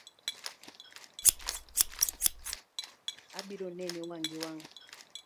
Abiro neni wang’ gi wang’